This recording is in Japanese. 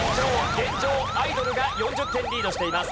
現状アイドルが４０点リードしています。